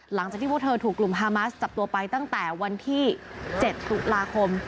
หลังจากที่พวกเธอถูกกลุ่มฮามาสจับตัวไปตั้งแต่วันที่๗ตุลาคม